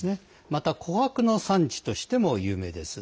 また、こはくの産地としても有名です。